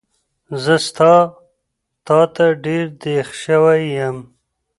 زه ستا تاته ډېر دیغ شوی یم